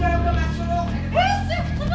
ya udah masuk dong